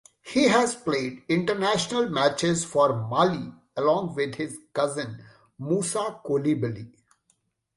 He has played international matches for Mali along with his cousin Moussa Coulibaly.